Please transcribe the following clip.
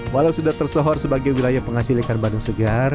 walau sudah tersohor sebagai wilayah penghasil ikan bandeng segar